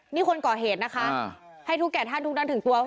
นี่คนก่อเหตุให้ทุกแค่ท่านทุกนักถึงตัว